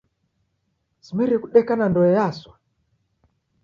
Simerie kudeka na ndoe yaswa!